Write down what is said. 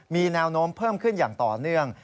มีแนวโน้มเพิ่มขึ้นอย่างต่อเนื่อง